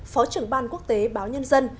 phó trưởng ban quốc tế báo nhân dân